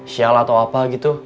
syalah atau apa gitu